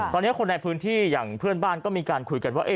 ตอนนี้คนในพื้นที่อย่างเพื่อนบ้านก็มีการคุยกันว่า